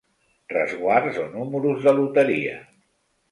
Resguards o números de loteria.